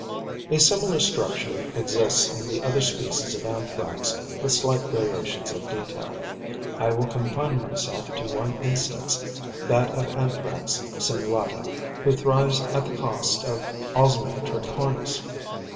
A similar structure exists in the other species of Anthrax with slight variations of detail. I will confine myself to one instance, that of Anthrax sinuata, who thrives at the cost of Osmia tricornis.